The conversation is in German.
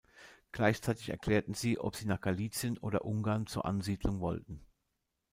Gleichzeitig erklärten sie, ob sie nach Galizien oder Ungarn zur Ansiedlung wollten.